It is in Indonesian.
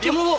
diam lu bu